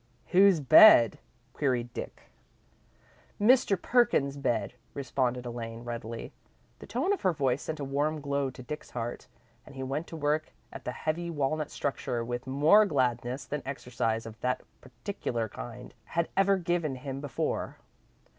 "Whose bed?" queried Dick. "Mr. Perkins's bed," responded Elaine, readily. The tone of her voice sent a warm glow to Dick's heart, and he went to work at the heavy walnut structure with more gladness than exercise of that particular kind had ever given him before.